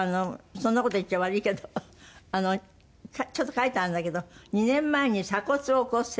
そんな事言っちゃ悪いけどちょっと書いてあるんだけど「２年前に鎖骨を骨折」。